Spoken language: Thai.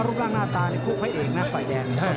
รูปร่างหน้าตานี่พูดไว้เองนะฝ่ายแดง